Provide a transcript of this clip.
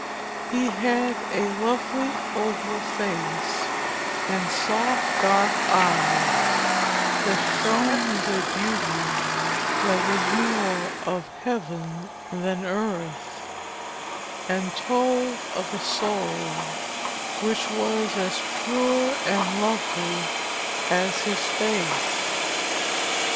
He had a lovely oval face, and soft dark eyes that shone with a beauty that was more of heaven than earth, and told of a soul which was as pure and lovely as his face.